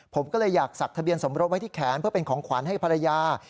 ผมก็เลยอยากสักทะเบียนสมรสไว้ที่แขนเพื่อเป็นของขวัญให้ภรรยา